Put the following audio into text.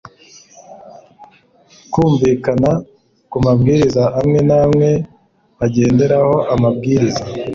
kumvikana ku mabwiriza amwe n amwe bagenderaho Amabwiriza